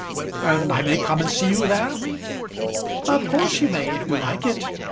"And I may come and see you there!" "Of course you may if you like it.